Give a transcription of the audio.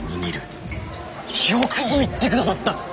よくぞ言って下さった！